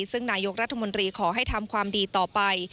ซึ่งนายกรัฐมนตรีขอให้ทำความดีต่อไป